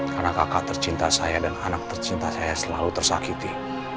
karena kakak tercinta saya dan anak tercinta saya selalu tersakiti